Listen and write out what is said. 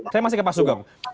saya masih ke pak sugeng